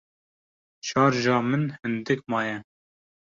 Şarja min hindik maye.